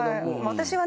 私はね。